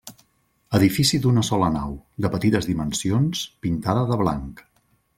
Edifici d'una sola nau, de petites dimensions, pintada de blanc.